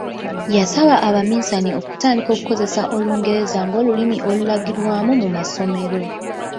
Yasaba Abaminsani okutandika okukozesa olungereza ng’olulimi olulagirwamu mu masomero.